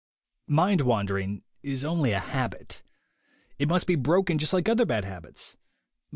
Mind wandering is only a habit. It must be broken just like other bad habits.